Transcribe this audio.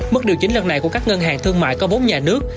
mức điều chỉnh lần này của các ngân hàng thương mại có vốn nhà nước